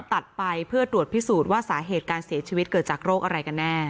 ตัดไปเพื่อตรวจพิสูจน์ว่าสาเหตุการเสียชีวิตเกิดจากโรคอะไรกันแน่